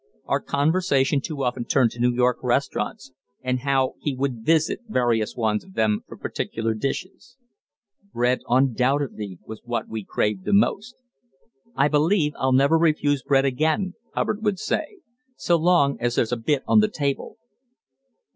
Our conversation too often turned to New York restaurants, and how he would visit various ones of them for particular dishes. Bread undoubtedly was what we craved the most. "I believe I'll never refuse bread again," Hubbard would say, "so long as there's a bit on the table."